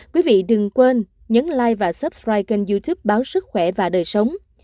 quý vị đừng quên nhấn like và suprise kênh youtube báo sức khỏe và đời sống